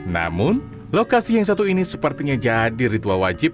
namun lokasi yang satu ini sepertinya jadi ritual wajib